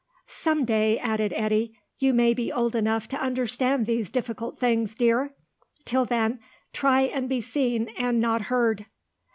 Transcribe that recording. "Some day," added Eddy, "you may be old enough to understand these difficult things, dear. Till then, try and be seen and not heard."